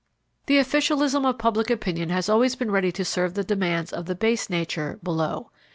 The officialism of public opinion has always been ready to serve the demands of the base nature below.